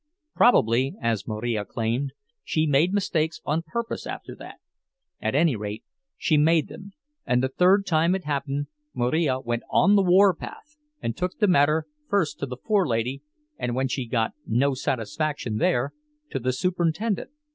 Probably, as Marija claimed, she made mistakes on purpose after that; at any rate, she made them, and the third time it happened Marija went on the warpath and took the matter first to the forelady, and when she got no satisfaction there, to the superintendent.